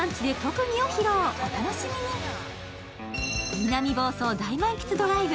南房総・大満喫ドライブ。